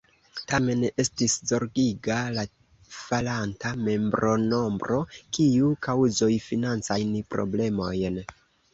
Tamen estis zorgiga la falanta membronombro, kiu kaŭzos financajn problemojn.